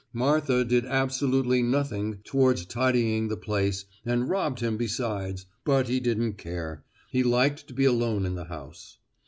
Martha did absolutely nothing towards tidying the place and robbed him besides, but he didn't care, he liked to be alone in the house.